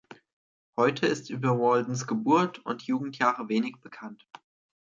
Heute ist über Waldens Geburt und Jugendjahre wenig bekannt.